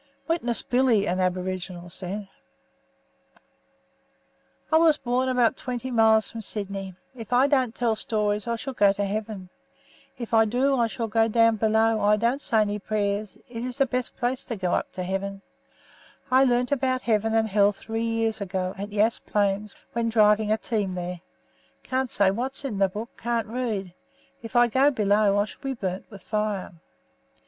Witness Billy, an aboriginal, said: "I was born about twenty miles from Sydney. If I don't tell stories, I shall go to Heaven; if I do, I shall go down below. I don't say any prayers. It is the best place to go up to Heaven. I learnt about heaven and hell about three years ago at Yass plains when driving a team there. Can't say what's in that book; can't read. If I go below, I shall be burned with fire."